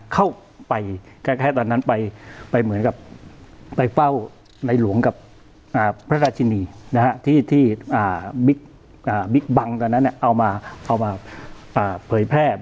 เข้าไปแค่ตอนนั้นเป้าไหล่หลวงกับพระราชินีที่บิบังก่อนนั้นเอามาเผยแพร่